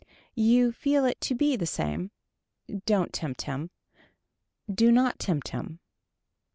You feel it to be the same. Don't tempt him. Do not tempt him.